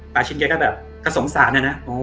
บาชินเกียจสงสาร